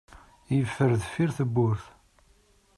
Yeffer deffir tewwurt.